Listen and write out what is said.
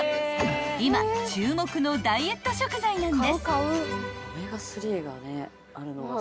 ［今注目のダイエット食材なんです］